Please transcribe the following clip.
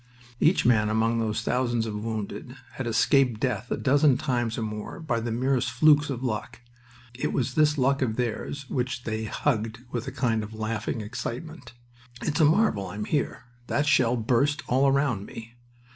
Each man among those thousands of wounded had escaped death a dozen times or more by the merest flukes of luck. It was this luck of theirs which they hugged with a kind of laughing excitement. "It's a marvel I'm here! That shell burst all round me.